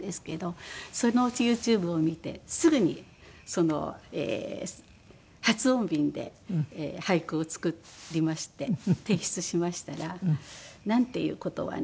そのユーチューブを見てすぐにその撥音便で俳句を作りまして提出しましたら「なんていう事はない。